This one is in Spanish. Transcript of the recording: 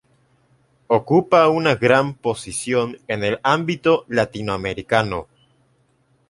Ocupa una gran posición en el ámbito latinoamericano.